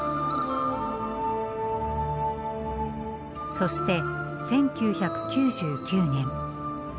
そして１９９９年。